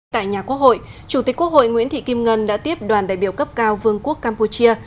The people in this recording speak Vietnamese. tại nhà quốc hội chủ tịch quốc hội nguyễn thị kim ngân đã tiếp đoàn đại biểu cấp cao vương quốc campuchia